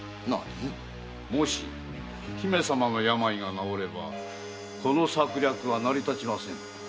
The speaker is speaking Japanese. もし姫様の病が治ればこの策略は成り立ちませんぞ。